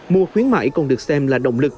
mùa khuyến mãi còn được xem là động lực